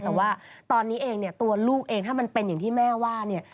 แต่ว่าตอนนี้เองตัวลูกเองถ้ามันเป็นอย่างที่แม่ว่า